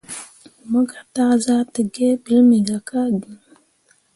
Mo gah taa zahdǝǝge ɓiile me gah ka gŋ.